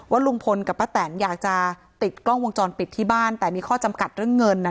ลุงพลกับป้าแตนอยากจะติดกล้องวงจรปิดที่บ้านแต่มีข้อจำกัดเรื่องเงิน